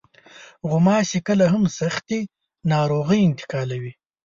غوماشې کله هم سختې ناروغۍ انتقالوي.